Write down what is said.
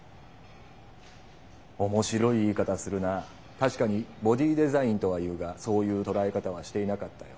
確かに「ボディーデザイン」とは言うがそういう捉え方はしていなかったよ。